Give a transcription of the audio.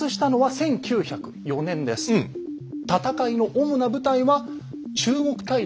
戦いの主な舞台は中国大陸でした。